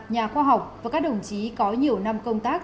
nhà khoa học và các đồng chí có nhiều năm công tác